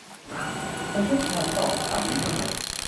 เธอช่วยฉันตอบคำถามนี้ได้ไหม